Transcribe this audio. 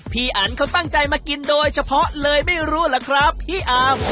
อันเขาตั้งใจมากินโดยเฉพาะเลยไม่รู้ล่ะครับพี่อาร์ม